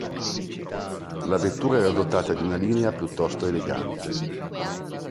La vettura era dotata di una linea piuttosto elegante.